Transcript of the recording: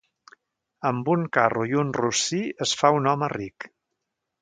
Amb un carro i un rossí es fa un home ric.